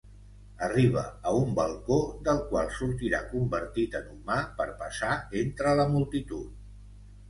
Arriba a un balcó del qual sortirà convertit en humà per passar entre la multitud.